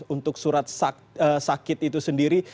untuk surat sakit itu sendiri